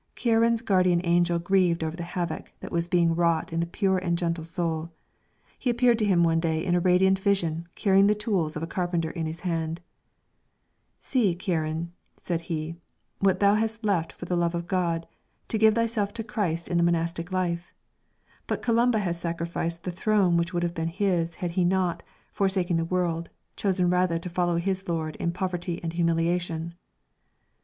Ciaran's guardian angel grieved over the havoc that was being wrought in that pure and gentle soul. He appeared to him one day in a radiant vision, carrying the tools of a carpenter in his hands. "See, Ciaran," said he, "what thou hast left for the love of God, to give thyself to Christ in the monastic life; but Columba has sacrificed the throne which would have been his, had he not, forsaking the world, chosen rather to follow his Lord in poverty and humiliation."